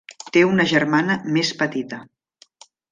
Té una germana més petita.